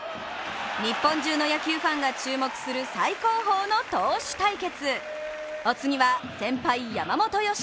日本中の野球ファンが注目する最高峰の投手対決。